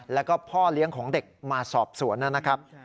แล้วก็พ่อเลี้ยงของเด็กมาสอบสวนนะครับ